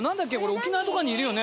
沖縄とかにいるよね。